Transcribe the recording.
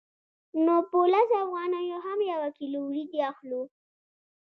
نو په لسو افغانیو هم یوه کیلو وریجې اخلو